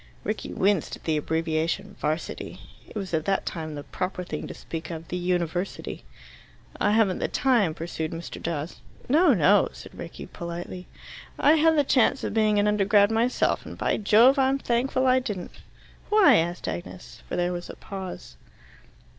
Rickie winced at the abbreviation "'Varsity." It was at that time the proper thing to speak of "the University." "I haven't the time," pursued Mr. Dawes. "No, no," said Rickie politely. "I had the chance of being an Undergrad, myself, and, by Jove, I'm thankful I didn't!" "Why?" asked Agnes, for there was a pause.